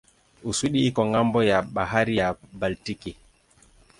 Uswidi iko ng'ambo ya bahari ya Baltiki.